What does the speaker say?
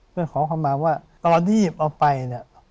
เพื่อขอคำมาว่าตอนที่เอาไปเนี่ย